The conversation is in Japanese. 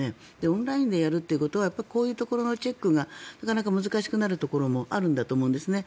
オンラインでやるということはこういうところのチェックがなかなか難しくなるところもあるんだと思うんですね。